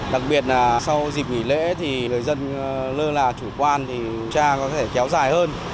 đặc biệt là sau dịp nghỉ lễ thì người dân lơ là chủ quan thì kiểm tra có thể kéo dài hơn